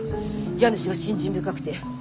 家主が信心深くて。